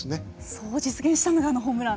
そこを実現したのがあのホームラン。